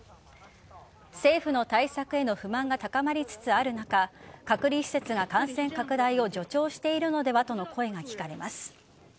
政府の対策への不満が高まりつつある中隔離施設が感染拡大を助長しているのではとの声が聞かれます。